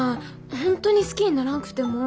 本当に好きにならんくてもぉ